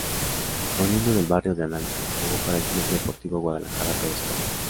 Oriundo del Barrio de Analco, jugó para el Club Deportivo Guadalajara toda su carrera.